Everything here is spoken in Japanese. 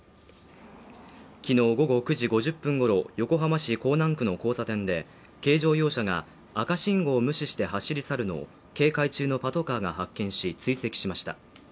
きのう午後９時５０分ごろ、横浜市港南区の交差点で、軽乗用車が赤信号を無視して走り去るのを警戒中のパトカーが発見し追跡しました。